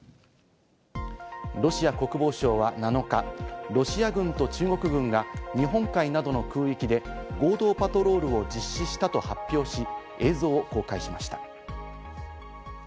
ロシア国防省は７日、ロシア軍と中国軍が日本海などの空域で合同パトロールを実施したと発表し、映像を公開しました。